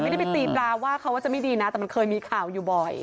ไม่ได้ไปตีปลาว่าเขาว่าจะไม่ดีนะแต่มันเคยมีข่าวอยู่บ่อย